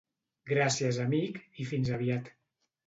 Gràcies amic i fins aviat.